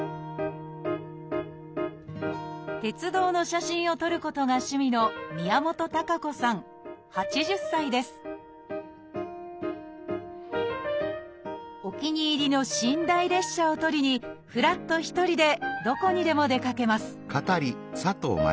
鉄道の写真を撮ることが趣味のお気に入りの寝台列車を撮りにふらっと一人でどこにでも出かけます